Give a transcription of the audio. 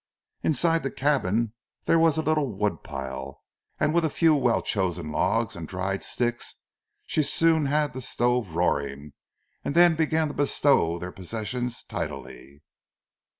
Inside the cabin there was a little wood pile, and with a few well chosen logs and dried sticks she soon had the stove roaring, and then began to bestow their possessions tidily.